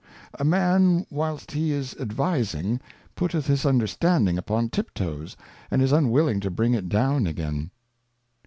A Man whilst he is advising putteth his Understanding upon Tiptoes, and is unwilling to bring it down again.